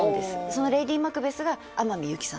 そのレイディマクベスが天海祐希さん